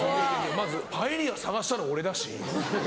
パエリア探したの俺だし。